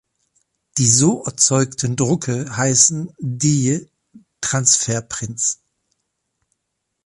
Die so erzeugten Drucke heißen "Dye-Transfer-Prints".